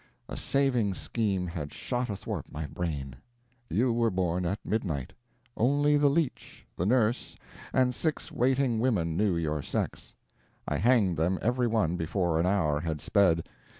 A saving scheme had shot athwart my brain. You were born at midnight. Only the leech, the nurse, and six waiting women knew your sex. I hanged them every one before an hour had sped.